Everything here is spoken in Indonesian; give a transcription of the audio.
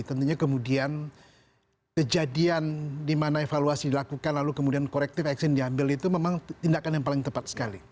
tentunya kemudian kejadian di mana evaluasi dilakukan lalu kemudian corrective action diambil itu memang tindakan yang paling tepat sekali